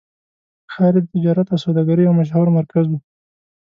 ښار یې د تجارت او سوداګرۍ یو مشهور مرکز و.